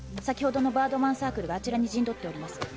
先ほどのバードマンサークルがあちらに陣取っております。